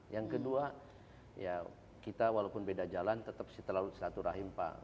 yang kedua ya kita walaupun beda jalan tetap setelah silaturahim pak